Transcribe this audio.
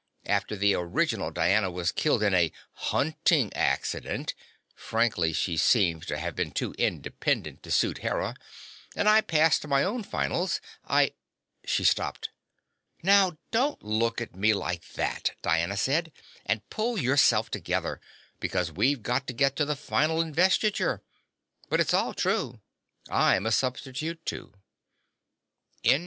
After the original Diana was killed in a 'hunting accident' frankly, she seems to have been too independent to suit Hera and I passed my own finals, I " She stopped. "Now don't look at me like that," Diana said. "And pull yourself together, because we've got to get to the Final Investiture. But it's all true. I'm a substitute too."